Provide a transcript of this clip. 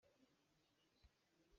Inn rep a ngei lo.